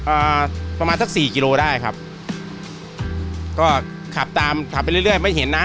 อ่าประมาณสักสี่กิโลได้ครับก็ขับตามขับไปเรื่อยเรื่อยไม่เห็นนะ